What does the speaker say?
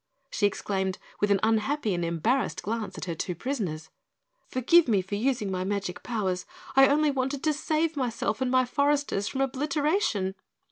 she exclaimed with an unhappy and embarrassed glance at her two prisoners. "Forgive me for using my magic powers, I only wanted to save myself and my foresters from obliteration."